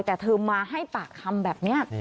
แต่เธอมาให้ปากคำแบบนี้